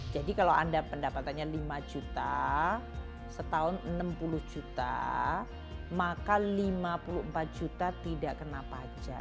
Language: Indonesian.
jadi kalau anda pendapatannya lima juta setahun enam puluh juta maka lima puluh empat juta tidak kena pajak